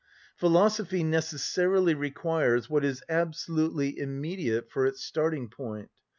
Philosophy necessarily requires what is absolutely immediate for its starting‐point.